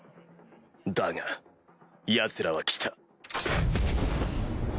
だがヤツらは来た。